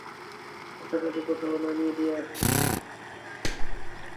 কাছাকাছি কোথাও নামিয়ে দিয়ে আসলেই হবে, বাকিটা আমি যেতে পারবো।